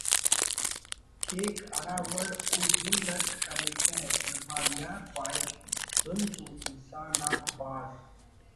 کیک ہرا وڑ او زند اٹ کریکہ جبار یار پاہک: دن تو انسان آک بھاز